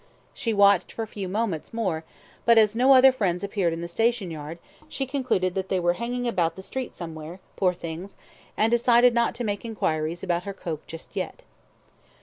... She watched for a few moments more, but as no other friends appeared in the station yard, she concluded that they were hanging about the street somewhere, poor things, and decided not to make inquiries about her coke just yet.